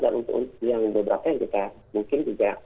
dan untuk yang beberapa yang kita mungkin juga